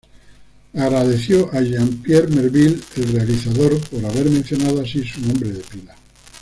Agradeció a Jean-Pierre Melville, el realizador, por haber mencionado así su nombre de pila.